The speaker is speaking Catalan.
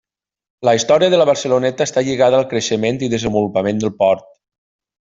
La història de la Barceloneta està lligada al creixement i desenvolupament del port.